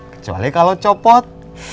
kecuali kalau copot